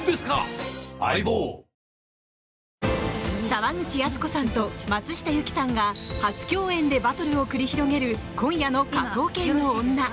沢口靖子さんと松下由樹さんが初共演でバトルを繰り広げる今夜の「科捜研の女」。